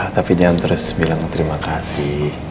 tapi jangan terus bilang terima kasih